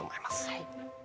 はい。